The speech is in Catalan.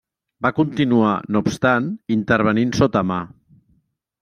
Va continuar no obstant intervenint sota mà.